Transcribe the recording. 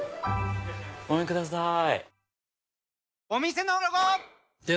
ごめんください。